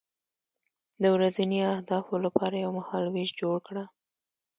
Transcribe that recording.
د ورځني اهدافو لپاره یو مهالویش جوړ کړه.